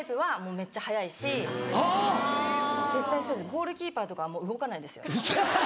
ゴールキーパーとかはもう動かないんですよ。